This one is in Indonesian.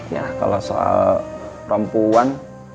ya kalau soal perempuan